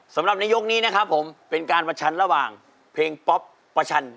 สำหรับในยกนี้นะครับผมเป็นการประชันระหว่างเพลงป๊อปประชัน